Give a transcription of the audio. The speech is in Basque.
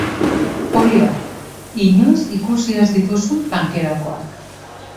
Hori bai, inoiz ikusi ez dituzun tankerakoak.